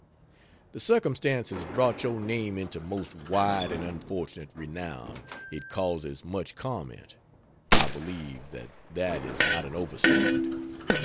The circumstance has brought your name into most wide and unfortunate renown. It causes much comment I believe that that is not an over statement.